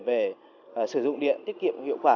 về sử dụng điện tiết kiệm hiệu quả